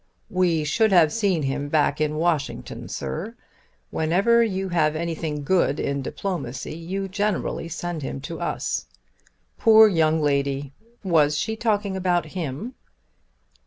"We should have seen him back in Washington, Sir. Whenever you have anything good in diplomacy you generally send him to us. Poor young lady! Was she talking about him?"